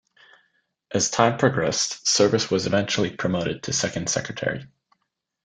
As time progressed, Service was eventually promoted to Second Secretary.